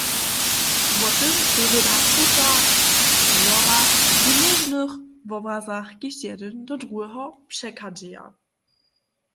Wo tym powěda tuta hrejohra w něžnych wobrazach, kiž jedyn do druheho přechadźeja.